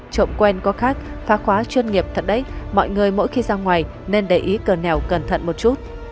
trộm quen có khác phá khóa chuyên nghiệp thật đấy mọi người mỗi khi ra ngoài nên để ý cờ nẻo cẩn thận một chút